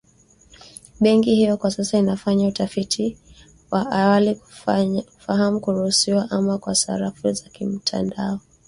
Benki hiyo kwa sasa inafanya utafiti wa awali kufahamu kuruhusiwa ama la kwa sarafu za kimtandao